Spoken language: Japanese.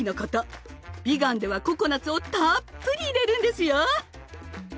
ビガンではココナツをたっぷり入れるんですよ！